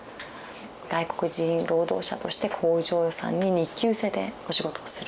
外国人労働者として工場さんに日給制でお仕事をする。